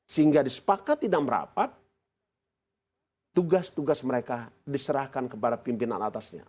sehingga disepakat tidak merapat tugas tugas mereka diserahkan kepada pimpinan atasnya